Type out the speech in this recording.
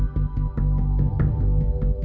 เวลาที่สุดท้าย